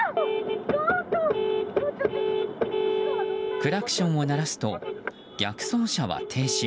クラクションを鳴らすと逆走車は停止。